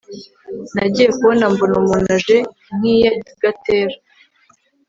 nagiye kubona mbona umuntu aje nk iyagatera